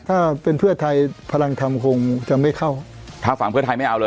ถ้าเป็นเพื่อไทยพลังธรรมคงจะไม่เข้าทางฝั่งเพื่อไทยไม่เอาเลย